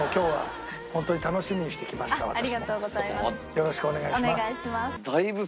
よろしくお願いします。